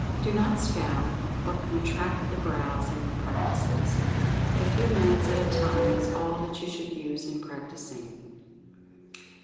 Do not scowl, or contract the brows in the practices. A few minutes at a time is all that you should use in practicing.